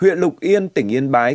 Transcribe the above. huyện lục yên tỉnh yên bái